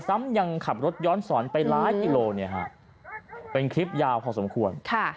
ซ้ำยังขับรถย้อนสอนไปหลายกิโลเป็นคลิปยาวพอสมควร